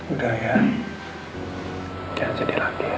udah ya jangan sedih lagi ya